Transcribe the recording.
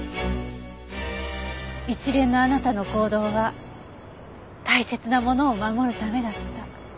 一連のあなたの行動は大切なものを守るためだった。